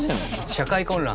社会混乱